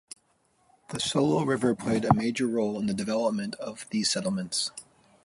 The Solo River played a major role in the development of these settlements.